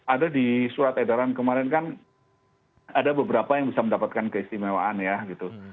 ada di surat edaran kemarin kan ada beberapa yang bisa mendapatkan keistimewaan ya gitu